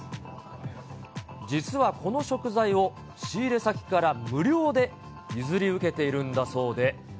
実はこの食材を、仕入れ先から無料で譲り受けているんだそうで。